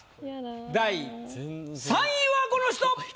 第３位はこの人！